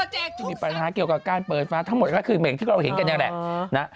จะมีปัญหาเกี่ยวกับการเปิดฟ้าทั้งหมดก็คือเหม็งที่เราเห็นกันนี่แหละ